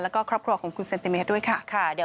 แล้วก็ครอบครัวของคุณเซนติเมตรด้วยค่ะ